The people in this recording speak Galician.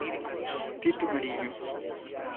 Tito Mariño.